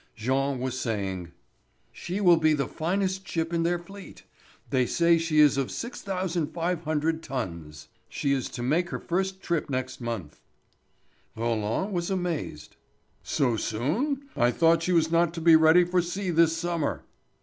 Jean was saying: "She will be the finest ship in their fleet. They say she is of 6,500 tons. She is to make her first trip next month." Roland was amazed. "So soon? I thought she was not to be ready for sea this summer."